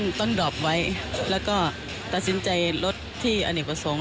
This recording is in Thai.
ใช่ต้องดรอปไว้แล้วก็ตัดสินใจรถที่อนิปสงฆ์